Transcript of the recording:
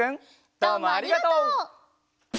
どうもありがとう！